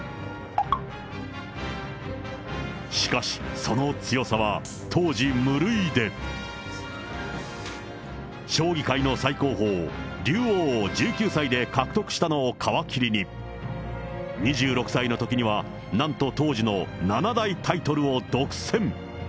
しかしその強さは、当時無類で、将棋界の最高峰、竜王を１９歳で獲得したのを皮切りに、２６歳のときには、なんと当時の七大タイトルを独占。